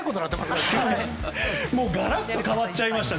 もう状況がガラッと変わっちゃいました。